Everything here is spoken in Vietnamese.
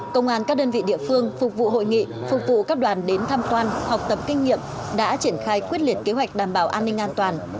công an các đơn vị địa phương phục vụ hội nghị phục vụ các đoàn đến tham quan học tập kinh nghiệm đã triển khai quyết liệt kế hoạch đảm bảo an ninh an toàn